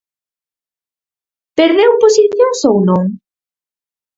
Perdeu posicións ou non?